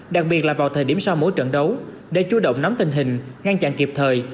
đặc biệt là vào thời điểm sau mỗi trận đấu để chú động nắm tình hình ngăn chặn kịp thời